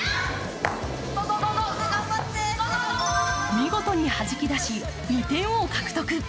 見事にはじき出し、２点を獲得。